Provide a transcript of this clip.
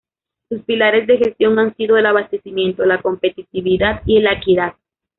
Sus pilares de gestión han sido el abastecimiento, la competitividad y la equidad.